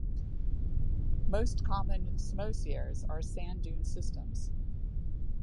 Most common psammoseres are sand dune systems.